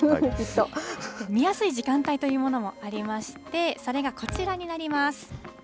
見やすい時間帯というものもありまして、それがこちらになります。